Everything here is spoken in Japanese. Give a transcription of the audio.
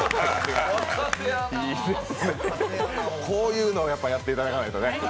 こういうのをやっぱやっていただかないとね。